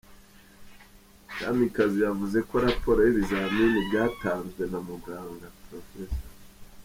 Kamikazi yavuze ko raporo y’ibizamini byatanzwe na muganga Prof.